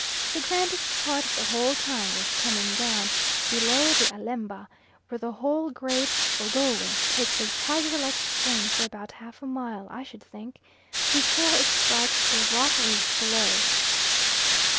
The grandest part of the whole time was coming down, below the Alemba, where the whole great Ogowe takes a tiger like spring for about half a mile, I should think, before it strikes a rock reef below.